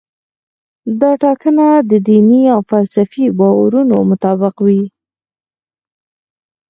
دا ټاکنه د دیني او فلسفي باورونو مطابق وي.